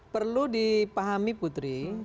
perlu dipahami putri